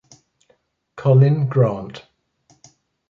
Colin Grant.